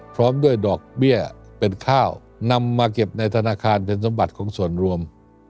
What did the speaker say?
พร้อมด้วยดอกเบี้ยเป็นข้าวนำมาเก็บในธนาคารเป็นสมบัติของส่วนรวม